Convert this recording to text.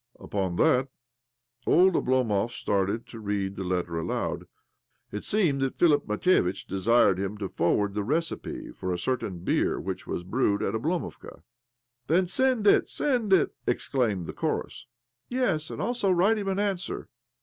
" Upon that old Oblomov started to read the letter aloud. It seemed that Philip Matveitch desired him to forward the recipe for a certain beer which was brewed at Oblomovka. "Then send it, send it," exclaimed the chorus. "Yes, and also write him an answer."